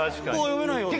読めないよって。